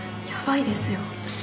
やばいですよ。